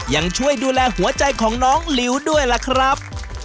ยังช่วยดูแลหัวใจของน้องหลิวด้วยล่ะครับ